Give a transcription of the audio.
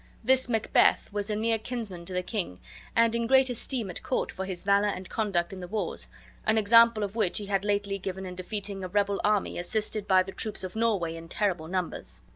This Macbeth was a near kinsman to the king, and in great esteem at court for his valor and conduct in the wars, an example of which he had lately given in defeating a rebel army assisted by the troops of Norway in terrible numbers.